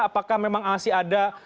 apakah memang masih ada